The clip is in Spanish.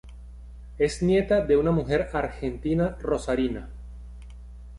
Es nieta de una mujer argentina rosarina.